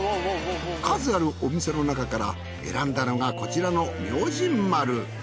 数あるお店の中から選んだのがこちらの明神丸。